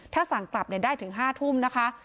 ถ้าสั่งกลับได้ถึง๕ทุ่มนะคะ